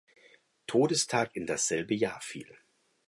Todestag in dasselbe Jahr fiel.